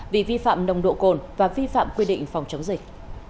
vì vi phạm nồng độ cồn và vi phạm quy định phòng chống dịch